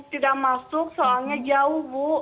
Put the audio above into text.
tidak masuk soalnya jauh bu